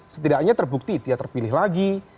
setidaknya terbukti dia terpilih lagi